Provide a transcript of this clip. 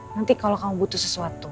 nanti kalau kamu butuh sesuatu